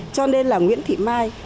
cho nên là nguyễn thị mai